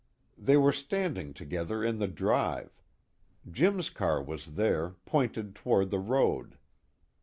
They were standing together in the drive. Jim's car was there, pointed toward the road.